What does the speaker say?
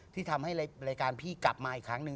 ที่ทำให้รายการพี่กลับมาอีกครั้งหนึ่ง